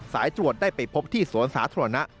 สายตรวจได้ไปพบที่สวนสาธารณะ